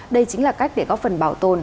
đây chính là cách để góp phần bảo tồn